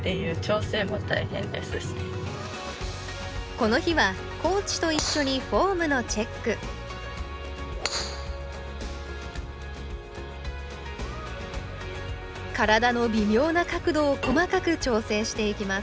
この日はコーチと一緒にフォームのチェック体の微妙な角度を細かく調整していきます